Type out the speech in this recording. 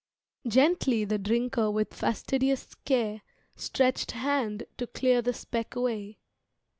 Gently the Drinker with fastidious care Stretched hand to clear the speck away.